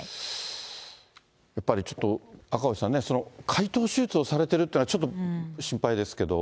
やっぱりちょっと、赤星さんね、開頭手術をされてるというのは、ちょっと心配ですけど。